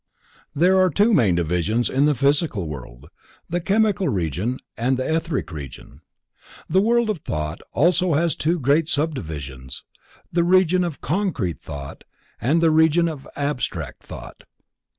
There are two main divisions in the Physical World: the Chemical Region and the Etheric Region. The World of Thought also has two great subdivisions: The Region of concrete Thought and the Region of abstract Thought.